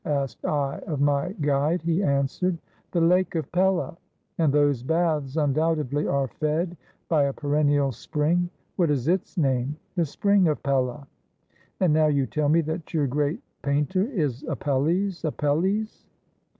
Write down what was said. ' asked I of my guide; he answered, 'The lake of Pella.' 'And those baths, undoubtedly, are fed by a perennial spring. What is its name? '' The Spring of Pella.' And now you tell me that your great painter is Apelles, Apelles!"